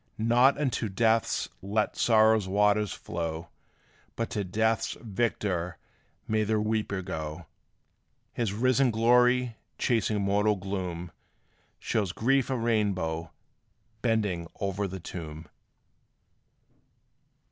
Not unto death let sorrow's waters flow, But to death's victor may the weeper go! His risen glory, chasing mortal gloom, Shows grief a rainbow, bending o'er the tomb.